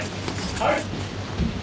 はい！